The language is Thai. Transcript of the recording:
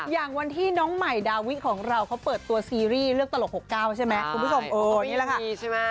อย่างวันที่น้องใหม่ดาวิการของเราเค้าเปิดตัวซีรีส์เรื่องตลก๖๙ใช่ไหมคุณผู้ชม